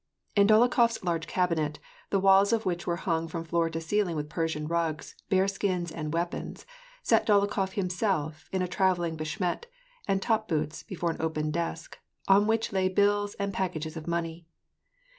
In Dolokhof 's large cabinet, the walls of which were hung from floor to ceiling with Persian rugs, bear skins, and weapons, sat Dolokliof himself, in a travelling beshmet and top boots, before an open desk, on which lay bills and pack ages of money.